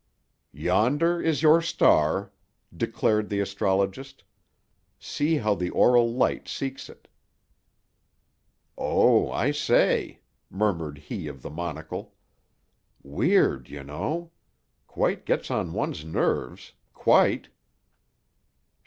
"Yonder is your star," declared the astrologist. "See how the aural light seeks it." "Oh, I say!" murmured he of the monocle. "Weird, you know! Quite gets on one's nerves. Quite!"